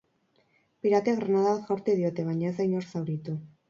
Piratek granada bat jaurti diote, baina ez da inor zauritu.